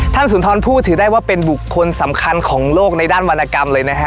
สุนทรพูดถือได้ว่าเป็นบุคคลสำคัญของโลกในด้านวรรณกรรมเลยนะฮะ